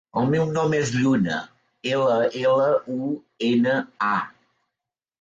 El meu nom és Lluna: ela, ela, u, ena, a.